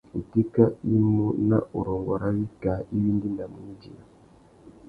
Itéka i mú nà urrôngô râ wikā iwí i ndédamú nà idiya.